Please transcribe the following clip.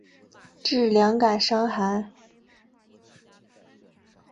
治两感伤寒。